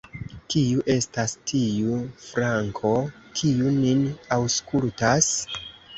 Kiu estas tiu _Franko_, kiu nin aŭskultas?